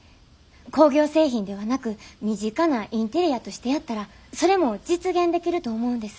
工業製品ではなく身近なインテリアとしてやったらそれも実現できると思うんです。